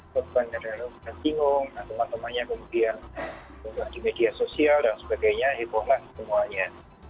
korban dari orang orang yang bingung teman temannya kemudian di media sosial dan sebagainya hipohlah semuanya